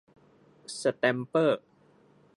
สแตมเปอร์